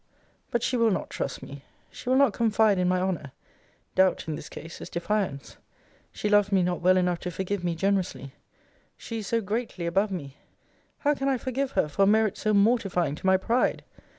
But she will not trust me. She will not confide in my honour. Doubt, in this case, is defiance. She loves me not well enough to forgive me generously. She is so greatly above me! How can I forgive her for a merit so mortifying to my pride!